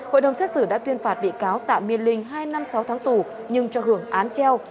hội đồng xét xử đã tuyên phạt bị cáo tạ miên linh hai năm sáu tháng tù nhưng cho hưởng án treo